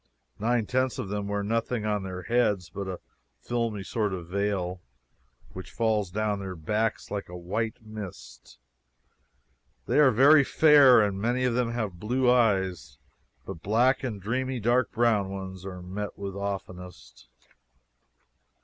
Nine tenths of them wear nothing on their heads but a filmy sort of veil, which falls down their backs like a white mist. They are very fair, and many of them have blue eyes, but black and dreamy dark brown ones are met with oftenest.